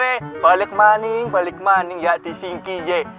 kembali kembali ya di singkije